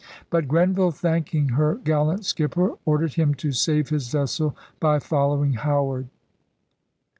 But Grenville, thanking her gallant skipper, or dered him to save his vessel by following Howard.